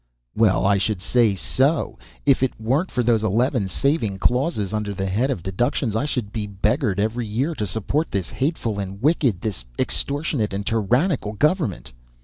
"Well, I should say so! If it weren't for those eleven saving clauses under the head of 'Deductions' I should be beggared every year to support this hateful and wicked, this extortionate and tyrannical government."